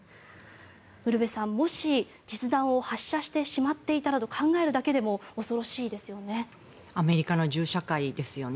ウルヴェさん、もし実弾を発射してしまっていたと考えるだけでも恐ろしいですよね。